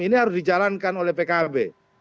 ini harus dijalankan oleh pkb